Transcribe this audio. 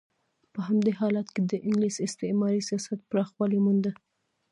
په همدې حالت کې د انګلیس استعماري سیاست پراخوالی مونده.